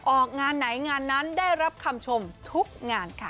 ออกงานไหนงานนั้นได้รับคำชมทุกงานค่ะ